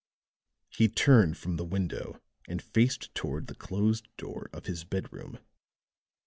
He turned from the window and faced toward the closed door of his bedroom.